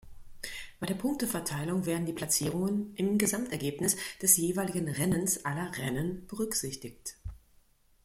Bei der Punkteverteilung werden die Platzierungen im Gesamtergebnis des jeweiligen Rennens aller Rennen berücksichtigt.